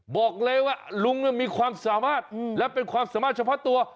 บอกเลยว่าลุงมีความสามารถและเป็นความสามารถเฉพาะตัว